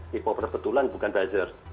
k poper betulan bukan buzzer